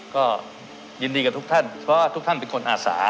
ก็ยินดีกับทุกท่านเพราะว่าทุกท่านเป็นคนอาสา